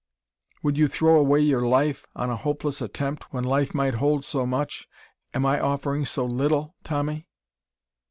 Would you throw your life away in a hopeless attempt, when life might hold so much? Am I offering so little, Tommy?"